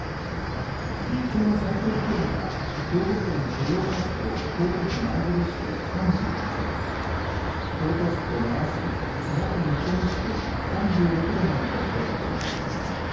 日中の最高気温は兵庫県豊岡市と京都府舞鶴市で３８度京都市と奈良市滋賀県彦根市で３６度などと予想されています。